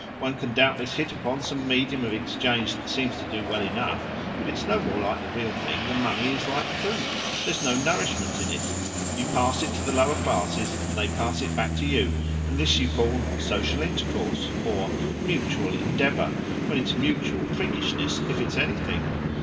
One can doubtless hit upon some medium of exchange that seems to do well enough, but it's no more like the real thing than money is like food. There's no nourishment in it. You pass it to the lower classes, and they pass it back to you, and this you call 'social intercourse' or 'mutual endeavour,' when it's mutual priggishness if it's anything.